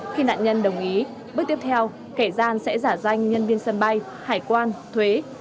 khi nạn nhân đồng ý bước tiếp theo kẻ gian sẽ giả danh nhân viên sân bay hải quan thuế